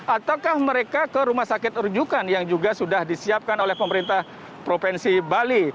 ataukah mereka ke rumah sakit rujukan yang juga sudah disiapkan oleh pemerintah provinsi bali